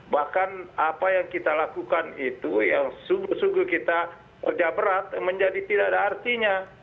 bahkan apa yang kita lakukan itu yang sungguh sungguh kita kerja berat menjadi tidak ada artinya